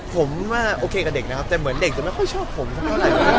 ผมโอเคกับเด็กแต่เหมือนเด็กส่วนเด็กอ่ะ